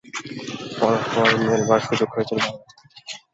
পরস্পর মেলবার সুযোগ হয়েছিল বার বার।